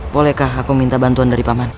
bolehkah aku minta bantuan dari paman